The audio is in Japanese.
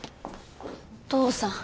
お父さん。